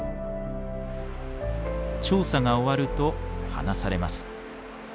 調査が終わると放されます。